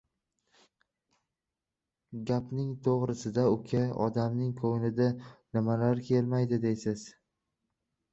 — Gapning to‘g‘risi-da, uka, odamning ko‘ngliga nimalar kelmaydi deysiz.